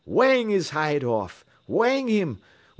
Whang his hide off! Whang him!